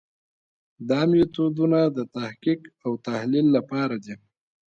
دا میتودونه د تحقیق او تحلیل لپاره دي.